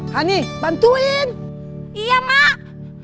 hani bantuin iya mak